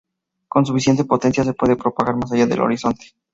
Con suficiente potencia, se puede propagar más allá del horizonte.